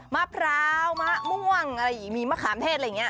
มะพร้าวมะม่วงมีมะขามเทศอะไรอย่างนี้